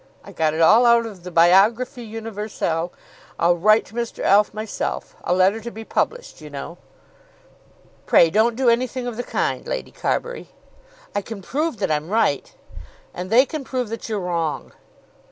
I got it all out of the 'Biographie Universelle.' I'll write to Mr. Alf myself, a letter to be published, you know." "Pray don't do anything of the kind, Lady Carbury." "I can prove that I'm right." "And they can prove that you're wrong."